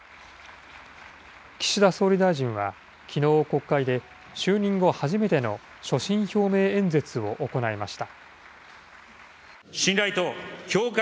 岸田総理大臣は、きのう国会で、就任後初めての所信表明演説を行いました。